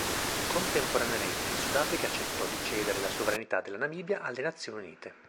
Contemporaneamente il Sudafrica accettò di cedere la sovranità della Namibia alle Nazioni Unite.